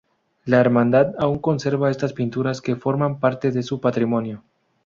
La hermandad aun conserva estas pinturas que forman parte de su patrimonio.